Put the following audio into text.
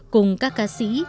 cùng các ca sĩ